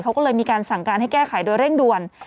เขาก็เลยมีการสั่งการให้แก้ไขโดยเร่งด่วน